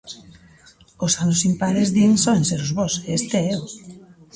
Os anos impares din soen ser os bos, e este éo.